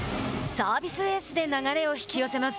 サービスエースで流れを引き寄せます。